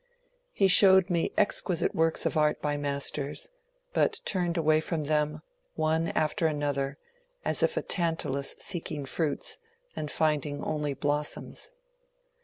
He showed me exquisite works of art by masters ; but turned away from them, one after another, as if a Tan talus seeking fruits and finding only blossoms.